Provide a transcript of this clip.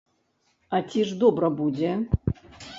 А ці ж добра будзе?!